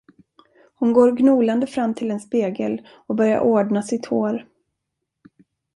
Hon går gnolande fram till en spegel och börjar ordna sitt hår.